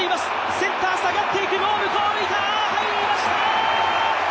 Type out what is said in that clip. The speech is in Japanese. センター下がっていく、向こうを向いた、入りました！